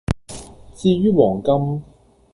至於黃金